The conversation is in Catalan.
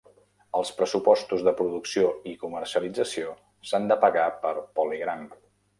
Els pressupostos de producció i comercialització s'han de pagar per PolyGram.